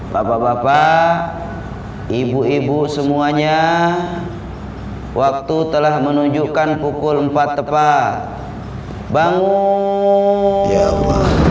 bapak bapak ibu ibu semuanya waktu telah menunjukkan pukul empat tepat bangun ya allah